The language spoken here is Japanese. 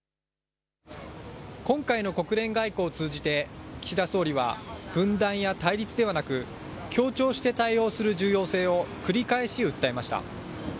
今回の国連外交を通じて岸田総理は分断や対立ではなく協調して対応する重要性を繰り返し訴えました。